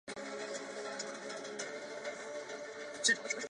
大厦的主要租户包括美林集团及美国运通大型金融机构。